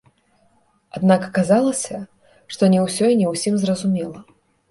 Аднак аказалася, што не ўсё і не ўсім зразумела.